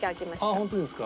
本当ですか。